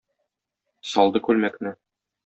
Салды күлмәкне.